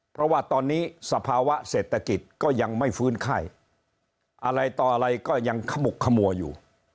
เพราะว่าตอนนี้สภาวะเศรษฐกิจก็ยังไม่ฟื้นไข้อะไรต่ออะไรก็ยังขมุกขมัวอยู่